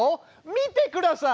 見てください！